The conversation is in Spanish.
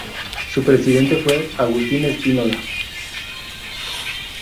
Su presidente fue Agustín Espínola.